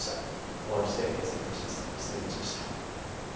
おわびして訂正いたします。